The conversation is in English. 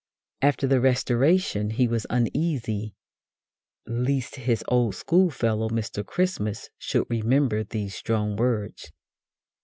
'" After the Restoration he was uneasy lest his old schoolfellow, Mr. Christmas, should remember these strong words.